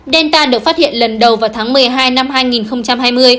delta được phát hiện lần đầu vào tháng một mươi hai năm hai nghìn hai mươi